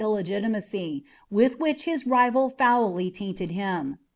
■ macy, with which his rival roully tainwd him.